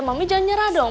mami jangan nyerah dong